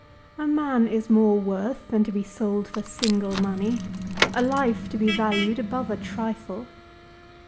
A man is more worth than to be sold for single money; a life to be valued above a trifle.